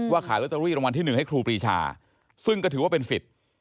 ขายลอตเตอรี่รางวัลที่๑ให้ครูปรีชาซึ่งก็ถือว่าเป็นสิทธิ์